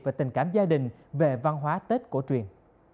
về tình cảm gia đình về văn hóa tết cổ truyền